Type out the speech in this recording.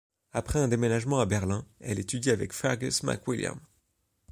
Après un déménagement à Berlin, elle étudie avec Fergus McWilliam.